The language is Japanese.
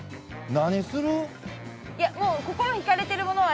何する？